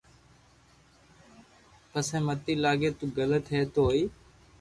پسي مني لاگي تو غلط ھي تو ھوئي